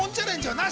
なし。